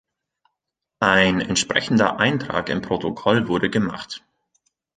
Ein entsprechender Eintrag im Protokoll wurde gemacht.